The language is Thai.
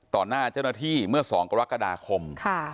หน้าเจ้าหน้าที่เมื่อ๒กรกฎาคม